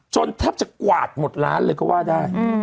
แทบจะกวาดหมดร้านเลยก็ว่าได้